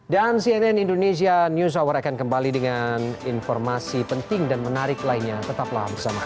dan cnn indonesia news hour akan kembali dengan informasi penting dan menarik lainnya tetaplah bersama kami